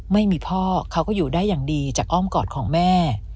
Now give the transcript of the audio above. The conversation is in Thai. ไม่มีพ่อเขาก็อยู่ได้อย่างดีจากอ้อมกอดของแม่